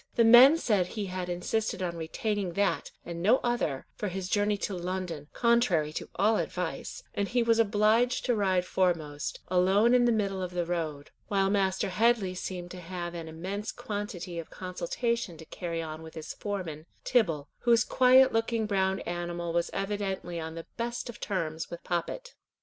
The men said he had insisted on retaining that, and no other, for his journey to London, contrary to all advice, and he was obliged to ride foremost, alone in the middle of the road; while Master Headley seemed to have an immense quantity of consultation to carry on with his foreman, Tibble, whose quiet looking brown animal was evidently on the best of terms with Poppet.